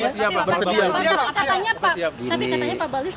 tapi katanya pak balis selalu